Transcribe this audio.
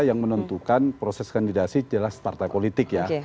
yang menentukan proses kandidasi jelas partai politik ya